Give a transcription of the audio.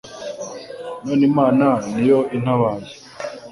None Imana ni yo intabaye